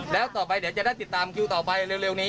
แล้วต่อไปจะได้ติดตามคลิ๊วเก็บต่อไปเร็วนี้